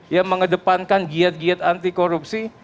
yang mengedepankan giat giat anti korupsi